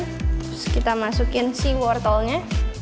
terus kita masukin si wortelnya